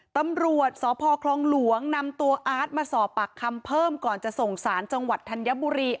ตำรวจสพคลองหลวงนำตัวอาร์ตมาสอบปากคำเพิ่มก่อนจะส่งสารจังหวัดธัญบุรี